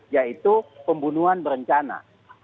yaitu pembunuhan berencana